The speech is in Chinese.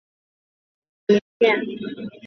肛门盖是单一块鳞片。